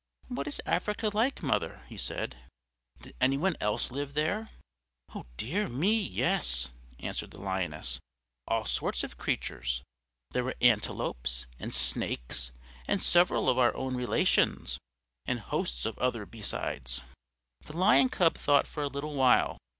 "What is Africa like, mother?" he said. "Did anyone else live there?" "Dear me, yes," answered the Lioness. "All sorts of creatures. There were antelopes and snakes, and several of our own relations, and hosts of others besides." The Lion Cub thought for a little while.